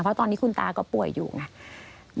เพราะตอนนี้คุณตาก็ป่วยอยู่ไง